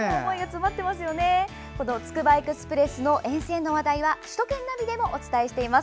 つくばエクスプレス沿線の話題は首都圏ナビでもお伝えしています。